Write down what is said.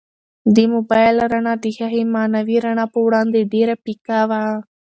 د موبایل رڼا د هغې معنوي رڼا په وړاندې ډېره پیکه وه.